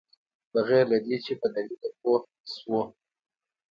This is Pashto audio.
بغیر له دې چې په دلیل یې پوه شوو.